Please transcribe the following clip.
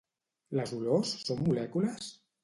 Les olors són molècules?